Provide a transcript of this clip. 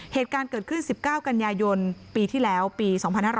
เหตุการณ์เกิดขึ้น๑๙กันยายนปีที่แล้วปี๒๕๕๙